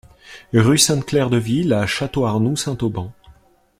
Rue Sainte-Claire Deville à Château-Arnoux-Saint-Auban